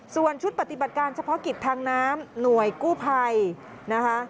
ส่วนชุดปฏิบัติการเฉพาะกิจทางน้ำหน่วยกู้ภัยนะคะ